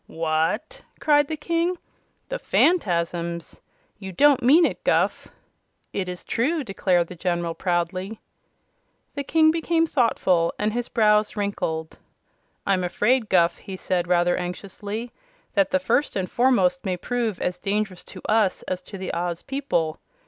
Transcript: "What!" cried the King. "The Phanfasms! You don't mean it, Guph!" "It is true," declared the General, proudly. The King became thoughtful, and his brows wrinkled. "I'm afraid, Guph," he said rather anxiously, "that the First and Foremost may prove as dangerous to us as to the Oz people.